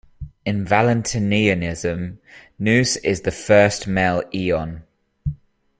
In Valentinianism, Nous is the first male Aeon.